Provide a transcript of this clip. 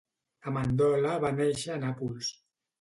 Amendola va néixer a Nàpols.